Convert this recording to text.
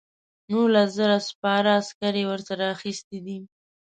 نولس زره سپاره عسکر یې ورسره اخیستي دي.